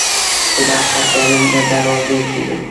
• صداقت د علم د دروازې کلید دی.